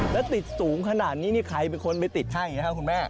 แล้วติดสูงขนาดนี้นี่ใครเป็นคนไปติดให้อย่างนี้ครับคุณแม่